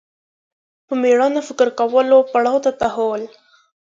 په مېړانه فکر کولو پړاو ته تحول